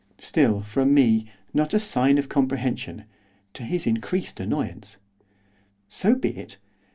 Still, from me, not a sign of comprehension, to his increased annoyance. 'So be it.